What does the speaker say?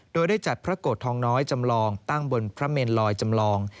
โดยได้จัดพระโกรธทองน้อยจำลองตั้งบนพระเมนลอยจำลอง